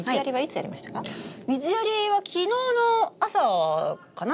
水やりは昨日の朝かな？